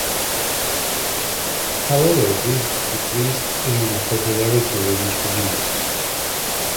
However, these decreased in popularity with each release.